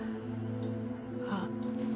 あっ。